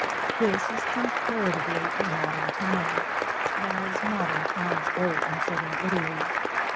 This is compara tively a modern town, as modern towns go in south ern Italy.